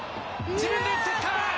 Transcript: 自分で打っていった。